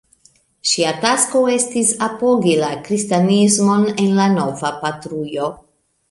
Ŝia tasko estis apogi la kristanismon en la nova patrujo.